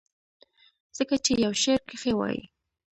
ځکه چې يو شعر کښې وائي :